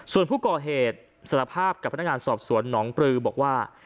ส่วนผู้ก่อเหตุสารภาพกับพนักงานสอบสวนหนองปลือบอกว่า